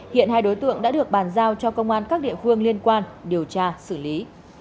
hiện hai đối tượng đã được bàn giao cho công an các địa phương liên quan điều tra xử lý